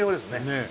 ねえ。